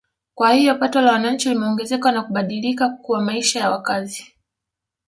Kwa hiyo pato la wananchi limeongezeka na kubadilika kwa maisha ya wakazi